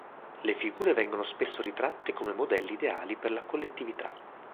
Le figure vengono spesso ritratte come modelli ideali per la collettività.